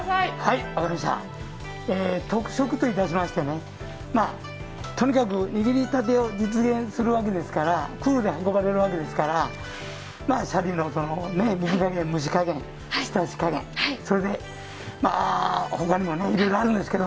特色といたしましてとにかく握りたてを実現するわけですから、クーラーで運ばれるわけですから、しゃりの蒸しかげん、ひたしかげんそれで他にもいろいろあるんですけど、